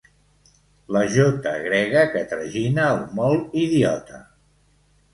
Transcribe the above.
La jota grega que tragina el molt idiota.